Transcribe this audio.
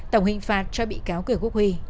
tổng hình phạt cho bị cáo kiều quốc huy